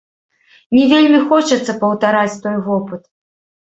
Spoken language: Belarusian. Не вельмі хочацца паўтараць той вопыт.